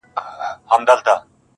صحرايي ویل موچي درته وهمه-